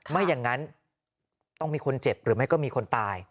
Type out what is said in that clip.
ไม่อย่างนั้นต้องมีคนเจ็บหรือไม่ก็มีคนตาย